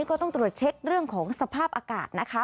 ก็ต้องตรวจเช็คสภาพอากาศนะคะ